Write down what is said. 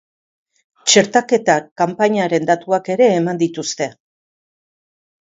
Txertaketa kanpainaren datuak ere eman dituzte.